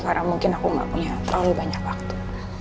karena mungkin aku nggak punya terlalu banyak waktu